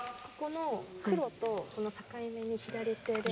ここの黒とこの境目に左手で。